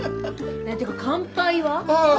っていうか乾杯は？あっ。